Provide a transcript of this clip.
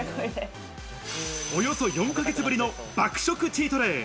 およそ４ヶ月ぶりの爆食チートデイ。